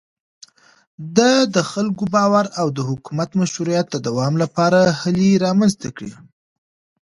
ده د خلکو باور او د حکومت مشروعيت د دوام لپاره هيلې رامنځته کړې.